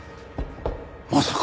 まさか！